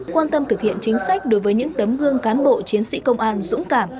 quan tâm thực hiện chính sách đối với những tấm gương cán bộ chiến sĩ công an dũng cảm